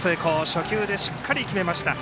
初球でしっかり決めました。